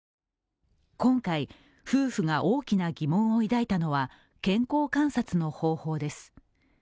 今回、夫婦が大きな疑問を抱いたのは健康観察の方法です。